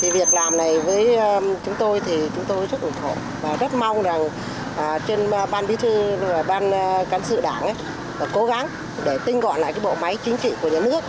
việc làm này với chúng tôi thì chúng tôi rất ủng hộ và rất mong rằng trên ban bí thư ban cán sự đảng cố gắng để tinh gọn lại bộ máy chính trị của nhà nước